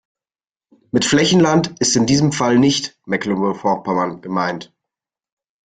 Mit Flächenland ist in dem Fall nicht Mecklenburg-Vorpommern gemeint.